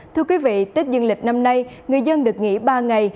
thưa quý vị tết duyên lịch năm nay người dân được nghỉ ba ngày